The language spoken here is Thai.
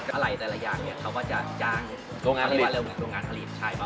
หลายแต่ละอย่างเขาก็จะจ้างโรงงานผลิต